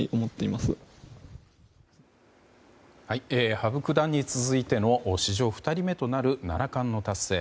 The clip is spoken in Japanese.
羽生九段に続いての史上２人目となる七冠の達成。